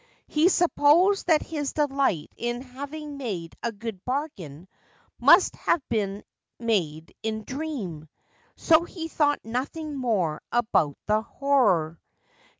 He supposed that his delight in having made a good bargain must have made him dream : so he thought nothing more about the horror.